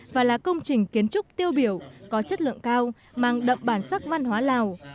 và là công trình kiến trúc tiêu biểu có chất lượng cao mang đậm bản sắc văn hóa lào